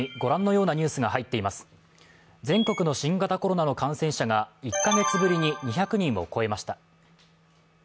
全国の新型コロナの感染者が１カ月ぶりに２００人を超えました。